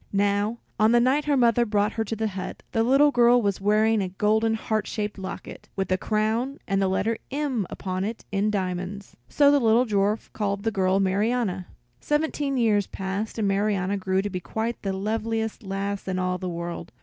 Now, on the night her mother brought her to the hut, the little girl was wearing a golden heart shaped locket, with a crown and the letter M upon it in diamonds. So the dwarf called the little girl Marianna. Seventeen years passed, and Marianna grew to be quite the loveliest lass in all the world.